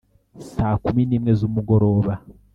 saa kumi nimwe zumugoroba.